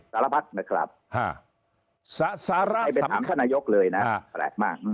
สารพักษณ์นะครับห้าสาระสำคัญให้ไปถามข้านายกเลยนะฮะแปลกมาก